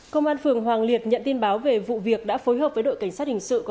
công an phường hoàng liệt nhận tin báo về vụ việc đã phối hợp với đội cảnh sát hình sự